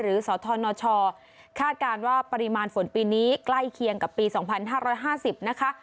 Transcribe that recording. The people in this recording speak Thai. สธนชคาดการณ์ว่าปริมาณฝนปีนี้ใกล้เคียงกับปี๒๕๕๐นะคะ